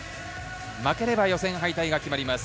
負ければ予選敗退が決まります。